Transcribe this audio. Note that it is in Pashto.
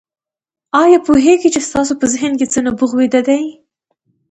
آيا پوهېږئ چې ستاسې په ذهن کې څه نبوغ ويده دی؟